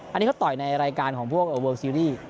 อันนี้เขาต่อยในรายการของพวกเวิลซีรีส์